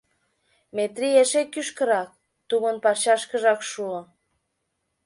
Метрий — эше кӱшкырак, тумын парчашкыжак шуо.